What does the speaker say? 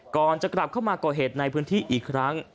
ก่อนจะกลับเข้ามาก่อเหตุในพื้นที่อีกครั้ง